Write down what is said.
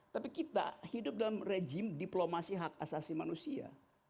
tapi kita hidup dalam rejim diplomasi hak asasi manusia